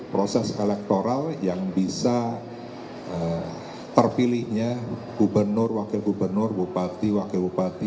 proses elektoral yang bisa terpilihnya gubernur wakil gubernur bupati wakil bupati